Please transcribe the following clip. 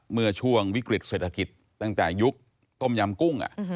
เมื่อช่วงวิกฤตเศรษฐกิจตั้งแต่ยุคต้มยำกุ้ง